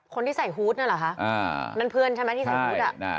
คนที่ใส่ฮูตนั่นเหรอคะมันเพื่อนใช่ไหมที่ใส่ฮูต